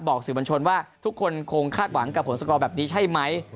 สื่อบัญชนว่าทุกคนคงคาดหวังกับผลสกอร์แบบนี้ใช่ไหม